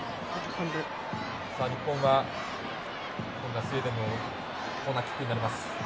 今度はスウェーデンのコーナーキックになります。